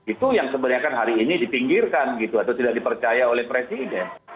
itu yang sebenarnya kan hari ini dipinggirkan gitu atau tidak dipercaya oleh presiden